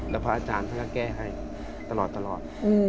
แล้วพระอาจารย์ท่านก็แก้ให้ตลอด